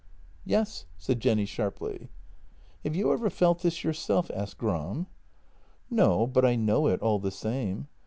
" Yes," said Jenny sharply. "Have you ever felt this yourself? " asked Gram. " No, but I know it, all the same.